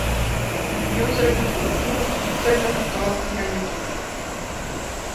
Ён зрабіў скульптуру з суцэльнага кавалка граніту.